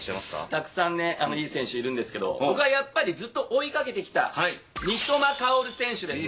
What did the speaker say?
たくさんね、いい選手いるんですけど、僕はやっぱり、ずっと追いかけてきた三笘薫選手です。